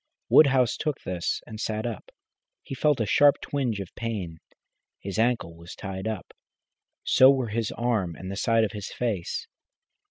Woodhouse took this and sat up. He felt a sharp twinge of pain. His ankle was tied up, so were his arm and the side of his face.